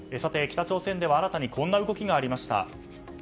北朝鮮では新たにこんな動きがありました。